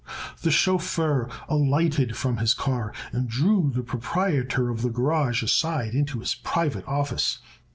The chauffeur alighted from his car and drew the proprietor of the garage aside into his private office.